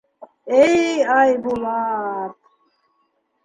Эй, Айбулат...